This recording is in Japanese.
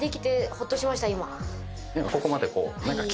ここまで。